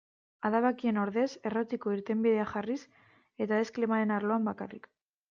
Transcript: Adabakien ordez errotiko irtenbideak jarriz, eta ez klimaren arloan bakarrik.